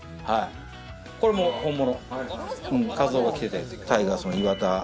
これも本物。